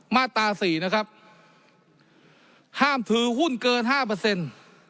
มาตราสี่นะครับห้ามถือหุ้นเกินห้าเปอร์เซ็นต์